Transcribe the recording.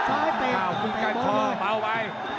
อ้าวคุณกันคอเบาไว้